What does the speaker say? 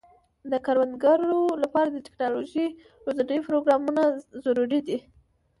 د کروندګرو لپاره د ټکنالوژۍ روزنې پروګرامونه ضروري دي.